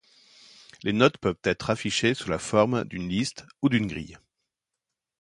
Les notes peuvent être affichées sous la forme d'une liste ou d'une grille.